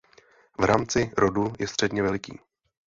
V rámci rodu je středně veliký.